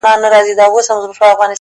• هغه وكړې سوگېرې پــه خـاموشـۍ كي ـ